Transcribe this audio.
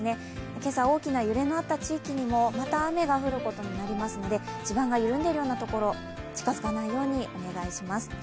今朝大きな揺れのあった地域にもまた雨が降ることになりますので地盤が緩んでいるようなところ、近づかないようにお願いします。